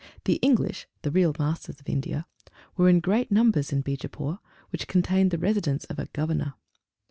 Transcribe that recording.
The English (the real masters of India) were in great numbers in Beejapoor, which contained the Residence of a Governor.